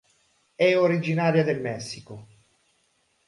È originaria del Messico.